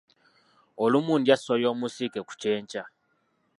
Olumu ndya ssoya omusiike ku kyenkya.